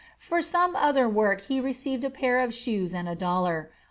For some other work he received a pair of shoes and a dollar.